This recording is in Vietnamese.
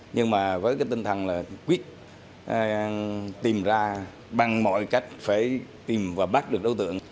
nhưng mà với cái tinh thần là quyết tìm ra bằng mọi cách phải tìm và bắt được đối tượng